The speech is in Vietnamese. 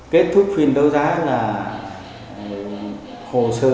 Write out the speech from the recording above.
kết thúc quyền đấu giá là hồ sơ lợi họa nộp vào trong huyện